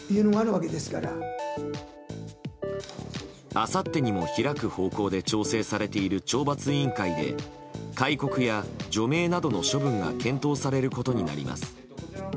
あさってにも開く方向で調整されている懲罰委員会で戒告や除名などの処分が検討されることになります。